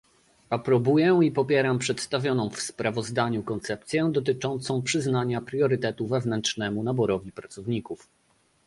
Aprobuję i popieram przedstawioną w sprawozdaniu koncepcję dotyczącą przyznania priorytetu wewnętrznemu naborowi pracowników